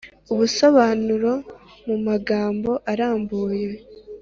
ubusobanuro mu magambo arambuye